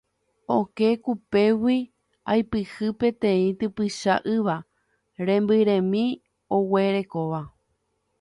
Okẽ kupégui aipyhy peteĩ typycha ýva rembyremi aguerekóva.